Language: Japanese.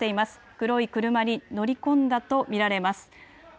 黒い車に盛り込んだと見られます。